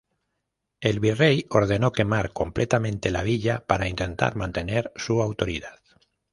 El virrey ordenó quemar completamente la villa para intentar mantener su autoridad.